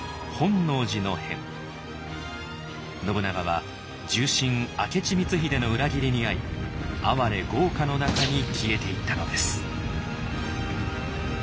信長は重臣明智光秀の裏切りに遭いあわれ業火の中に消えていったのです。